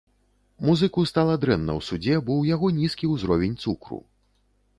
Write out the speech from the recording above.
Музыку стала дрэнна ў судзе, бо ў яго нізкі ўзровень цукру.